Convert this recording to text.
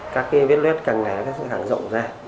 các viết luyết càng ngá sẽ càng rộng ra